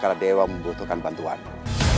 cakra dewa membutuhkan bantuanmu